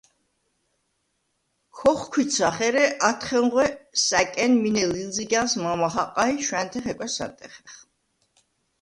ქოხვიქცახ, ერე ათხეუნღვე სა̈კენ მინე ლილზიგა̈ლს მამა ხაყა ი შვა̈ნთე ხეკვეს ანტეხეხ.